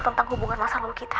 tentang hubungan masa lalu kita